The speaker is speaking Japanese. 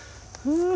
うん。